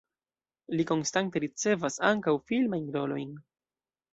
Li konstante ricevas ankaŭ filmajn rolojn.